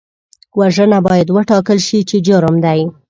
وژنه باید وټاکل شي چې جرم دی